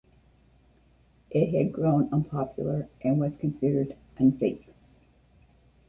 It had grown unpopular and was considered unsafe.